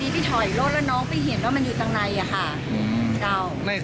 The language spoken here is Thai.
พี่กับหมูหูจะเอามันเข้าไปแล้วพอดีพี่ถอยรถแล้วน้องพี่เห็นว่ามันอยู่ตรงในอ่ะค่ะ